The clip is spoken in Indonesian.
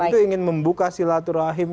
itu ingin membuka silaturahim